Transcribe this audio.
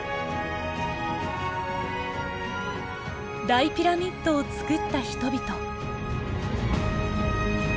大ピラミッドを造った人々。